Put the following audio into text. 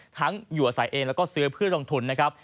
อยู่อาศัยเองแล้วก็ซื้อเพื่อลงทุนนะครับ